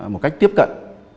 một cách tiếp cận